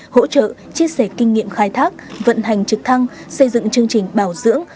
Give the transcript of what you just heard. hỗ trợ chia sẻ kinh nghiệm khai thác vận hành trực thăng xây dựng chương trình bảo dưỡng